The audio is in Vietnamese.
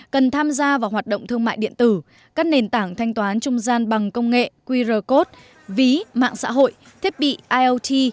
cần tham gia vào hoạt động thương mại điện tử các nền tảng thanh toán trung gian bằng công nghệ qr code ví mạng xã hội thiết bị iot